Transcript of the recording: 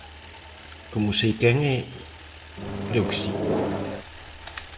Como sei quen é, creo que si.